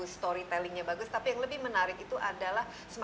storynya itu bagus